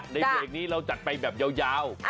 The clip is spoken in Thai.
ในเบรกนี้เราจัดไปแบบยาว